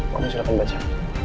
kamu silahkan baca